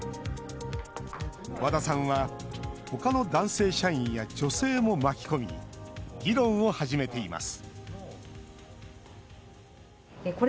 和田さんはほかの男性社員や女性も巻き込み議論を始めています